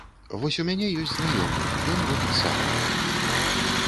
Вось у мяне ёсць знаёмы, ён робіць сала.